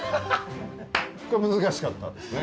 これ、難しかったですね。